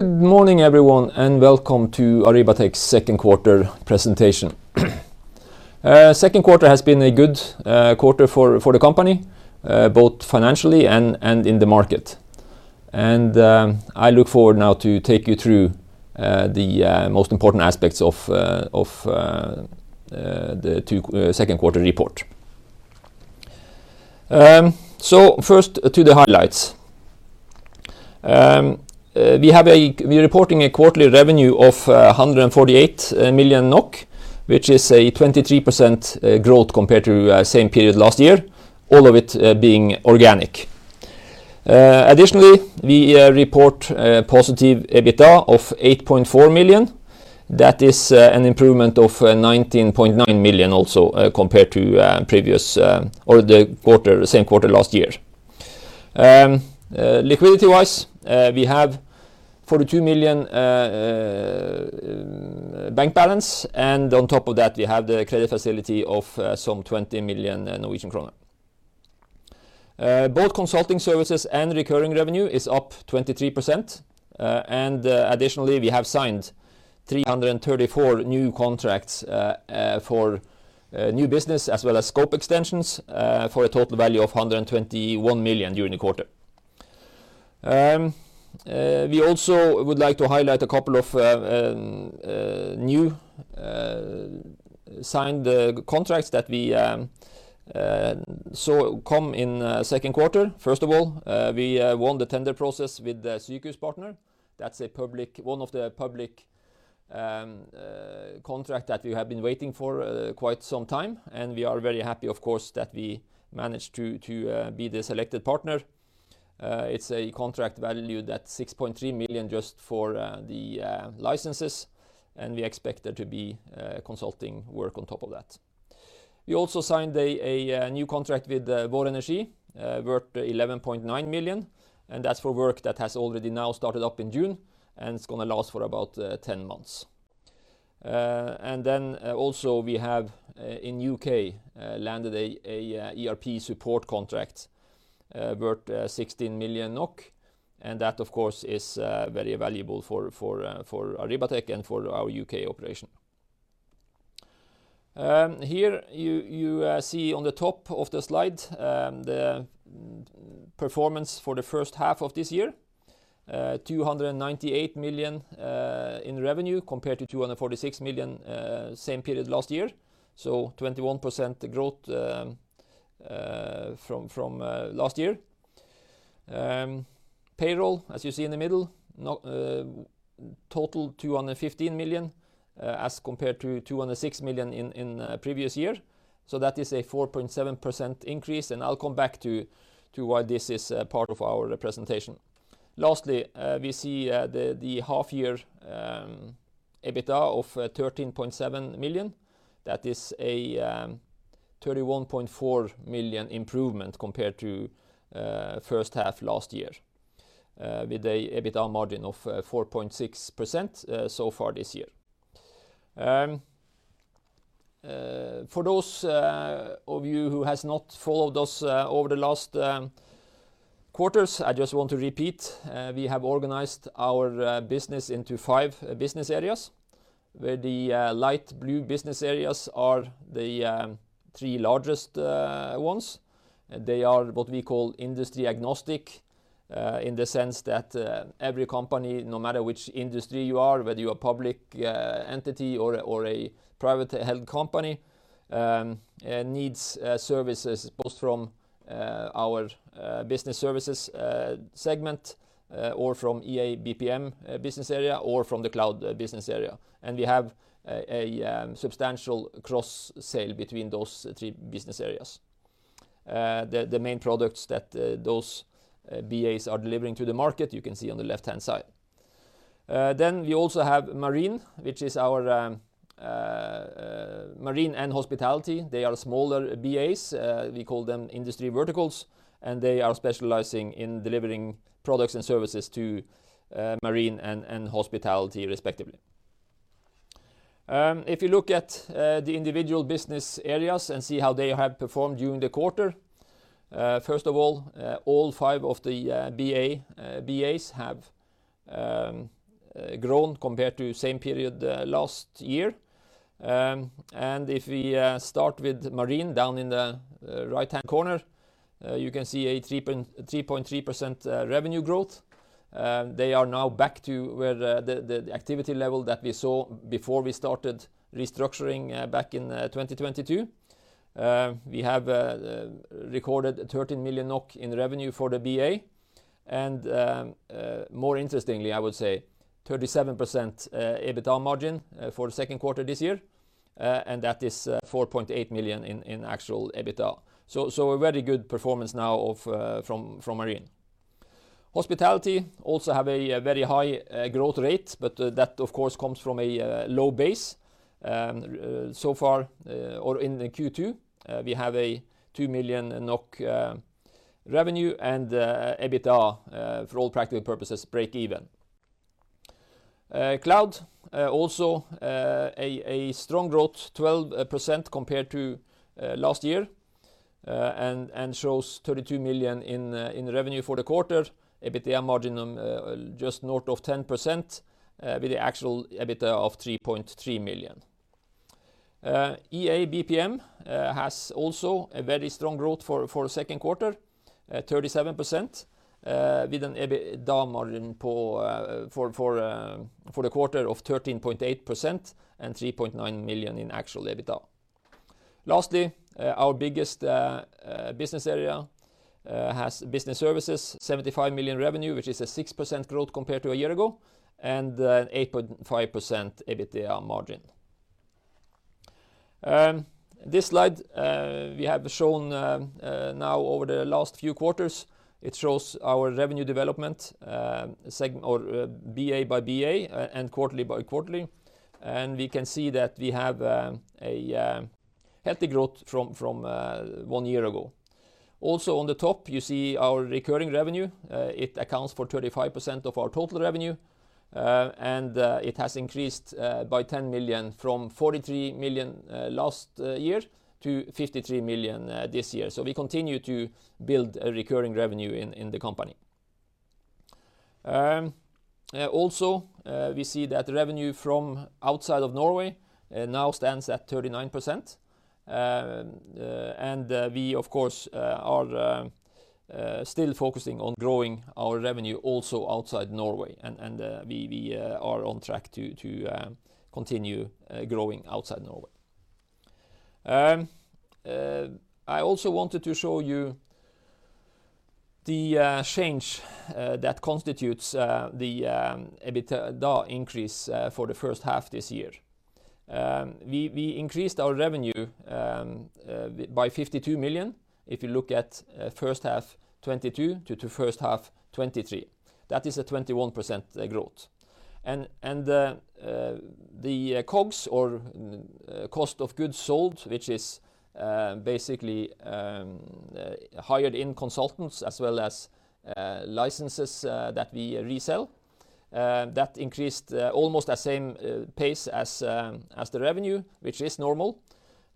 Good morning, everyone, welcome to Arribatec's second quarter presentation. Second quarter has been a good quarter for the company, both financially and in the market. I look forward now to take you through the most important aspects of the second quarter report. First to the highlights. We're reporting a quarterly revenue of 148 million NOK, which is a 23% growth compared to same period last year, all of it being organic. Additionally, we report positive EBITDA of 8.4 million. That is an improvement of 19.9 million also compared to previous, or the quarter, the same quarter last year. Liquidity-wise, we have 42 million bank balance, and on top of that, we have the credit facility of some 20 million Norwegian kroner. Both consulting services and recurring revenue is up 23%. Additionally, we have signed 334 new contracts for new business as well as scope extensions, for a total value of 121 million during the quarter. We also would like to highlight a couple of new signed contracts that we saw come in second quarter. First of all, we won the tender process with the Sykehuspartner. That's a public one of the public contract that we have been waiting for quite some time, and we are very happy, of course, that we managed to to be the selected partner. It's a contract valued at 6.3 million just for the licenses, and we expect there to be consulting work on top of that. We also signed a new contract with Vår Energi, worth 11.9 million, and that's for work that has already now started up in June, and it's gonna last for about 10 months. Also we have in U.K. landed a ERP support contract, worth 16 million NOK, and that, of course, is very valuable for for for Arribatec and for our U.K. operation. Here, you, you see on the top of the slide, the performance for the first half of this year, 298 million in revenue, compared to 246 million same period last year, so 21% growth from, from last year. Payroll, as you see in the middle, no, total 215 million as compared to 206 million in, in previous year. That is a 4.7% increase, and I'll come back to, to why this is part of our presentation. Lastly, we see the, the half year EBITDA of 13.7 million. That is a 31.4 million improvement compared to first half last year, with a EBITDA margin of 4.6% so far this year. For those of you who has not followed us over the last quarters, I just want to repeat, we have organized our business into five business areas. Where the light blue business areas are the three largest ones. They are what we call industry agnostic in the sense that every company, no matter which industry you are, whether you're a public entity or a private-held company, needs services both from our Business Services segment, or from EA & BPM business area, or from the Cloud business area. We have a substantial cross sale between those three business areas. The main products that those BAs are delivering to the market, you can see on the left-hand side. We also have Marine, which is our Marine and Hospitality. They are smaller BAs, we call them industry verticals, they are specializing in delivering products and services to Marine and Hospitality, respectively. If you look at the individual business areas and see how they have performed during the quarter, first of all, all five of the BA. BAs have grown compared to same period last year. If we start with Marine down in the right-hand corner, you can see a 3.3% revenue growth. They are now back to where the, the, the activity level that we saw before we started restructuring back in 2022. We have recorded 13 million NOK in revenue for the BA, and more interestingly, I would say, 37% EBITDA margin for the second quarter this year, and that is 4.8 million in actual EBITDA. So a very good performance now from Marine. Hospitality also have a very high growth rate, but that, of course, comes from a low base. So far, or in the Q2, we have a 2 million NOK revenue and EBITDA for all practical purposes, break even. Cloud also a strong growth, 12% compared to last year... Shows 32 million in revenue for the quarter, EBITDA margin just north of 10%, with the actual EBITDA of 3.3 million. EA BPM has also a very strong growth for the second quarter, 37%, with an EBITDA margin for the quarter of 13.8% and 3.9 million in actual EBITDA. Lastly, our biggest business area has business services, 75 million revenue, which is a 6% growth compared to a year ago, and 8.5% EBITDA margin. This slide we have shown now over the last few quarters. It shows our revenue development, BA by BA and quarterly by quarterly. We can see that we have a healthy growth from one year ago. Also, on the top, you see our recurring revenue. It accounts for 35% of our total revenue, and it has increased by 10 million from 43 million last year to 53 million this year. We continue to build a recurring revenue in the company. Also, we see that revenue from outside of Norway now stands at 39%. And we, of course, are still focusing on growing our revenue also outside Norway, and we are on track to continue growing outside Norway. I also wanted to show you the change that constitutes the EBITDA increase for the first half this year. We increased our revenue by 52 million. If you look at first half, 2022 to the first half, 2023, that is a 21% growth. The COGS or cost of goods sold, which is basically hired-in consultants as well as licenses that we resell, that increased almost the same pace as the revenue, which is normal.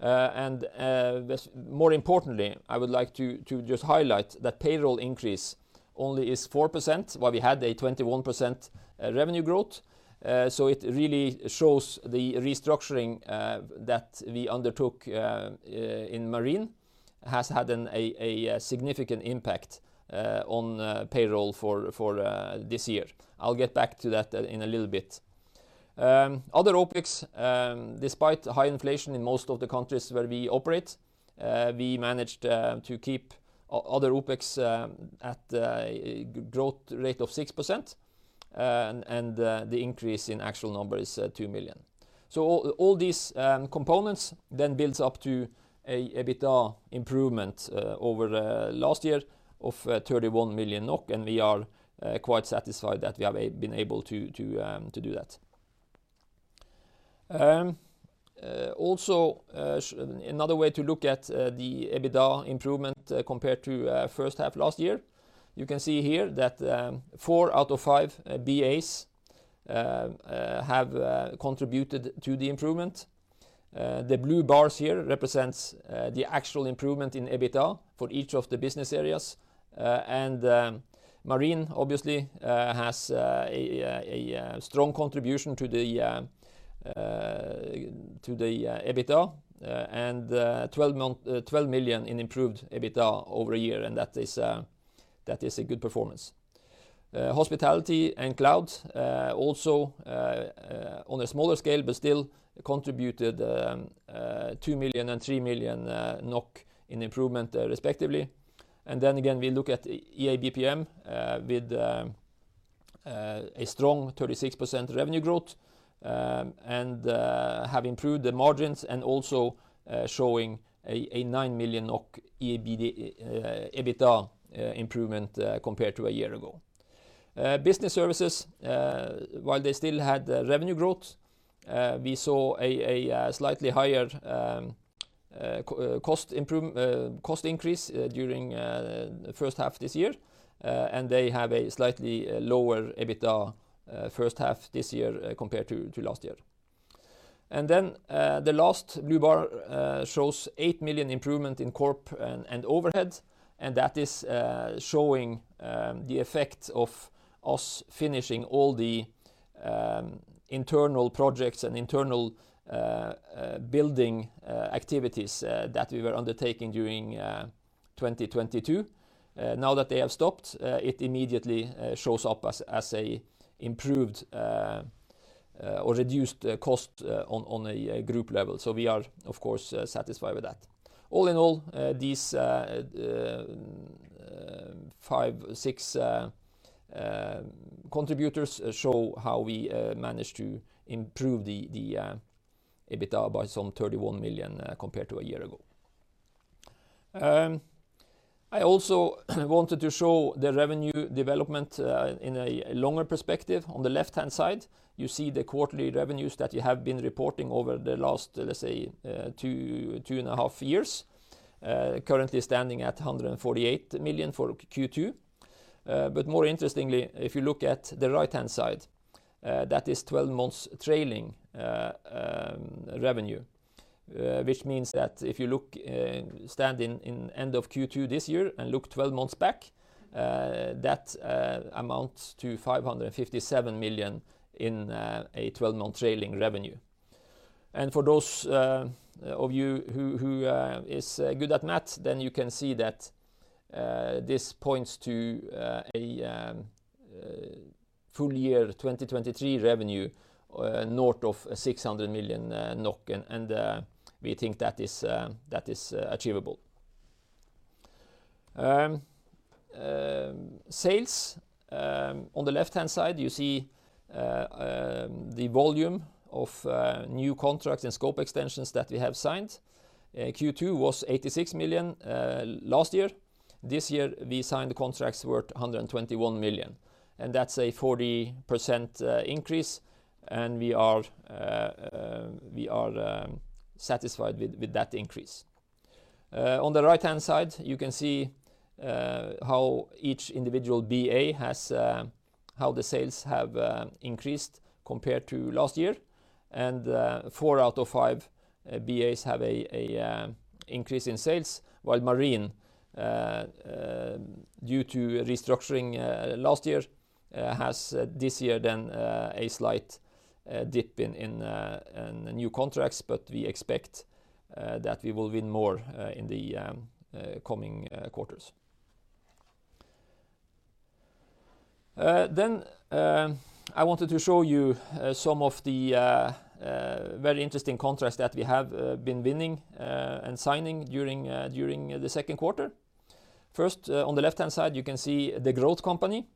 More importantly, I would like to just highlight that payroll increase only is 4%, while we had a 21% revenue growth. It really shows the restructuring that we undertook in Arribatec Marine has had a significant impact on payroll for this year. I'll get back to that in a little bit. Other OpEx, despite high inflation in most of the countries where we operate, we managed to keep other OpEx at a growth rate of 6%, and the increase in actual number is 2 million. All these components then builds up to an EBITDA improvement over last year of 31 million NOK, and we are quite satisfied that we have been able to do that. Also, another way to look at the EBITDA improvement, compared to first half last year, you can see here that four out of five BAs have contributed to the improvement. The blue bars here represents the actual improvement in EBITDA for each of the business areas. Marine obviously has a strong contribution to the EBITDA, and 12 million in improved EBITDA over a year, and that is that is a good performance. Hospitality and Cloud also on a smaller scale, but still contributed 2 million and 3 million NOK in improvement, respectively. Then again, we look at EA & BPM, with a strong 36% revenue growth, and have improved the margins and also showing a 9 million EBITDA improvement compared to a year ago. Business Services, while they still had the revenue growth, we saw a slightly higher cost increase during the first half this year, and they have a slightly lower EBITDA first half this year compared to last year. Then, the last blue bar shows 8 million improvement in corp and overhead, and that is showing the effect of us finishing all the internal projects and internal building activities that we were undertaking during 2022. Now that they have stopped, it immediately shows up as, as a improved, or reduced, cost on, on a group level. We are, of course, satisfied with that. All in all, these five, six contributors show how we managed to improve the EBITDA by some 31 million compared to a year ago. I also wanted to show the revenue development in a longer perspective. On the left-hand side, you see the quarterly revenues that you have been reporting over the last, let's say, 2, 2.5 years, currently standing at 148 million for Q2. More interestingly, if you look at the right-hand side, that is 12 months trailing revenue, which means that if you look, stand in end of Q2 this year and look 12 months back, that amounts to 557 million in a 12-month trailing revenue. For those of you who is good at math, then you can see that this points to a full year 2023 revenue north of 600 million NOK, and we think that is achievable. Sales on the left-hand side, you see the volume of new contracts and scope extensions that we have signed. Q2 was 86 million last year. This year, we signed the contracts worth 121 million, and that's a 40% increase, and we are satisfied with that increase. On the right-hand side, you can see how each individual BA has-- how the sales have increased compared to last year, and four out of five BAs have a increase in sales, while Marine, due to restructuring last year, has, this year then, a slight dip in, in new contracts, but we expect that we will win more in the coming quarters. I wanted to show you some of the very interesting contracts that we have been winning and signing during the second quarter. First, on the left-hand side, you can see The Growth Company.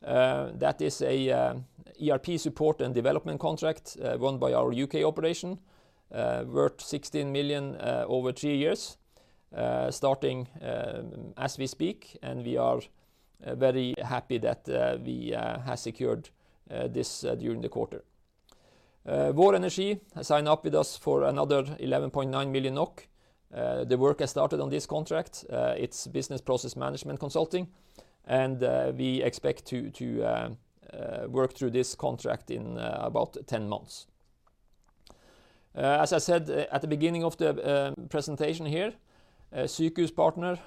That is a ERP support and development contract won by our U.K. operation worth 16 million over three years, starting as we speak, and we are very happy that we have secured this during the quarter. Vår Energi has signed up with us for another 11.9 million NOK. The work has started on this contract. It's business process management consulting, and we expect to work through this contract in about 10 months. As I said, at the beginning of the presentation here, Sykehuspartner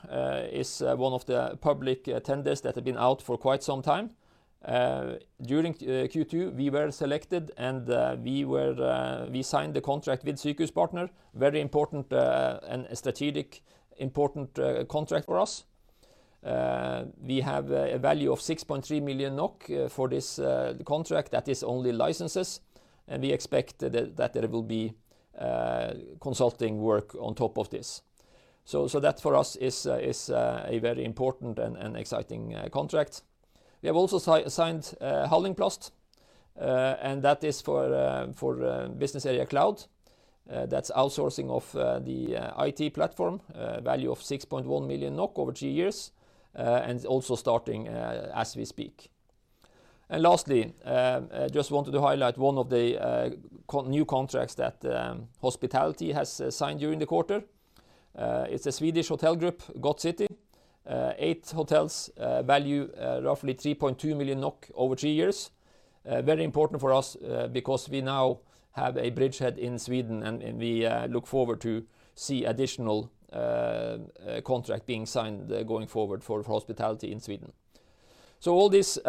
is one of the public tenders that have been out for quite some time. During Q2, we were selected, and we signed the contract with Sykehuspartner. Very important, and a strategic important contract for us. We have a value of 6.3 million NOK for this contract. That is only licenses, and we expect that there will be consulting work on top of this. That, for us, is a very important and exciting contract. We have also signed Hallingplast, and that is for business area cloud. That's outsourcing of the IT platform, value of 6.1 million NOK over three years, and also starting as we speak. Lastly, I just wanted to highlight one of the new contracts that Hospitality has signed during the quarter. It's a Swedish hotel group, Gothia City. Eight hotels, value roughly 3.2 million NOK over three years. Very important for us because we now have a bridgehead in Sweden, and we look forward to see additional contract being signed going forward for Hospitality in Sweden. All these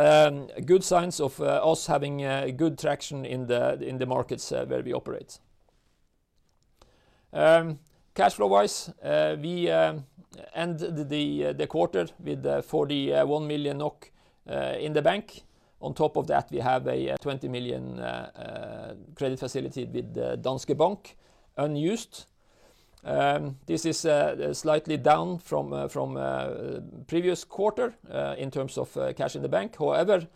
good signs of us having a good traction in the markets where we operate. Cash flow-wise, we end the quarter with 41 million NOK in the bank. On top of that, we have a 20 million credit facility with Danske Bank unused. This is slightly down from from previous quarter in terms of cash in the bank. However,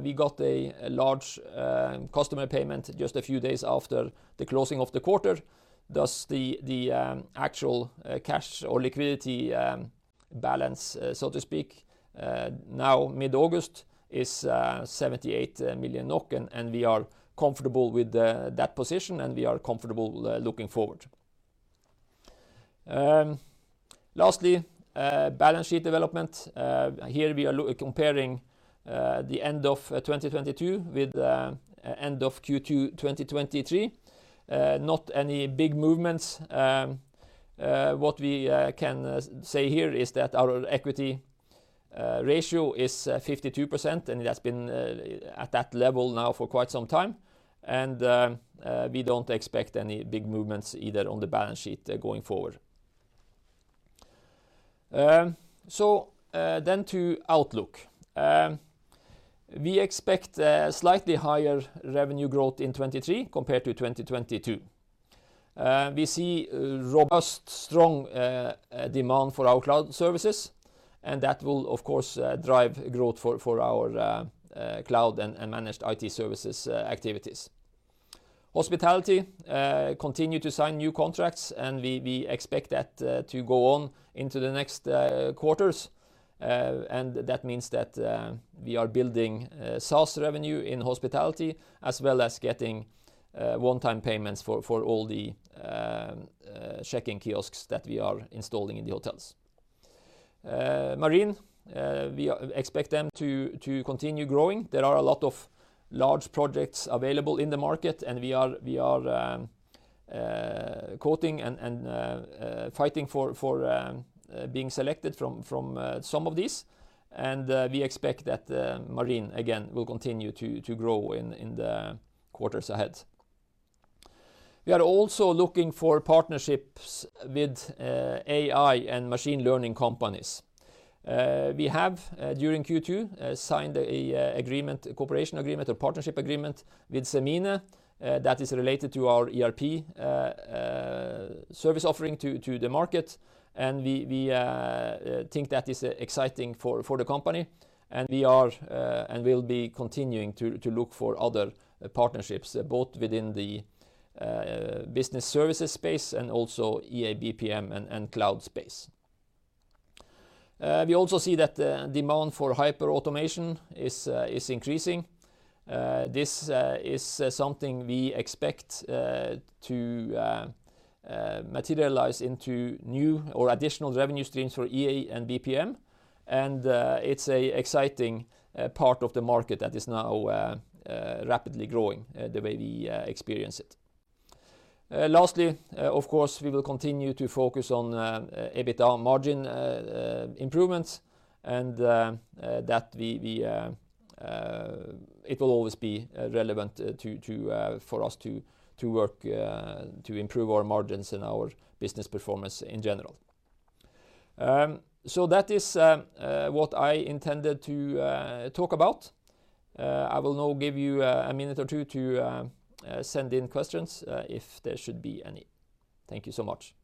we got a large customer payment just a few days after the closing of the quarter. Thus, the actual cash or liquidity balance, so to speak, now, mid-August, is 78 million NOK, and we are comfortable with the that position, and we are comfortable looking forward. Lastly, balance sheet development. Here we are comparing the end of 2022 with end of Q2 2023. Not any big movements. What we can say here is that our equity ratio is 52%, and it has been at that level now for quite some time, and we don't expect any big movements either on the balance sheet going forward. To outlook. We expect a slightly higher revenue growth in 2023 compared to 2022. We see robust, strong demand for our cloud services, and that will, of course, drive growth for for our cloud and managed IT services activities. Hospitality, continue to sign new contracts, and we, we expect that, to go on into the next quarters, and that means that, we are building SaaS revenue in Hospitality, as well as getting one-time payments for, for all the check-in kiosks that we are installing in the hotels. Marine, we expect them to, to continue growing. There are a lot of large projects available in the market, and we are, we are, quoting and, and, fighting for, for, being selected from, from, some of these. We expect that, Marine again, will continue to, to grow in, in the quarters ahead. We are also looking for partnerships with, AI and machine learning companies. We have during Q2, signed a agreement, a cooperation agreement or partnership agreement with Semine, that is related to our ERP service offering to the market. We think that is exciting for the company, and we are and will be continuing to look for other partnerships, both within the business services space and also EA, BPM and cloud space. We also see that the demand for hyperautomation is increasing. This is something we expect to materialize into new or additional revenue streams for EA & BPM. It's a exciting part of the market that is now rapidly growing the way we experience it. Lastly, of course, we will continue to focus on EBITDA margin improvements, and that we, we, it will always be relevant to, to, for us to, to work, to improve our margins and our business performance in general. That is what I intended to talk about. I will now give you a minute or two to send in questions if there should be any. Thank you so much.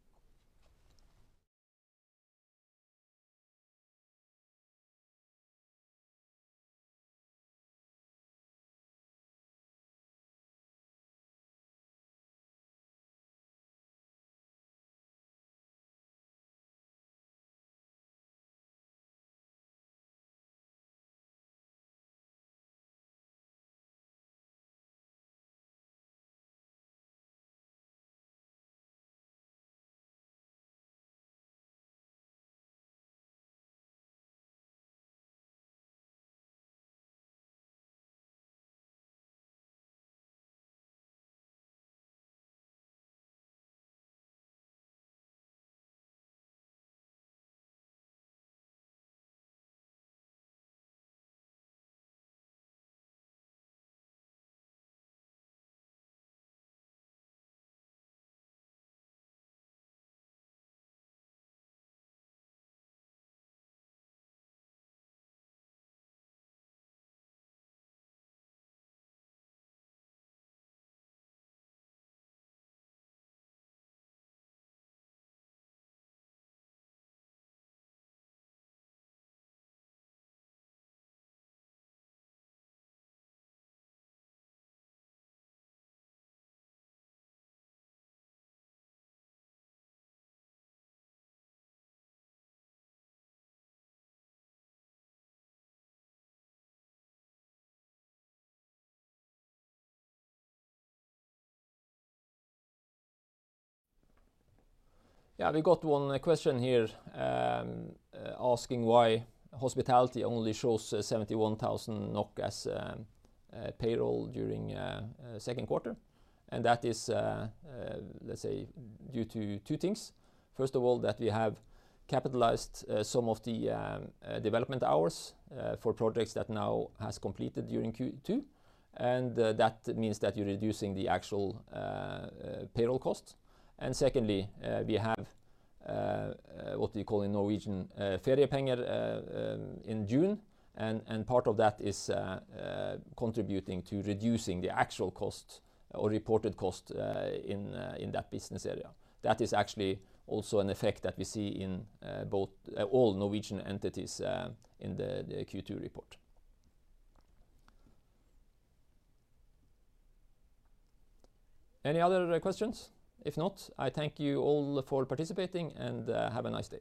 Yeah, we got one question here, asking why Hospitality only shows 71,000 NOK as payroll during second quarter. That is, let's say, due to two things. First of all, that we have capitalized some of the development hours for projects that now has completed during Q2, that means that you're reducing the actual payroll cost. Secondly, we have what we call in Norwegian, feriepenger, in June, and part of that is contributing to reducing the actual cost or reported cost in that business area. That is actually also an effect that we see in all Norwegian entities in the Q2 report. Any other questions? If not, I thank you all for participating, and have a nice day.